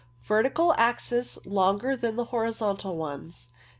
Vertical axes longer than the horizontal ones.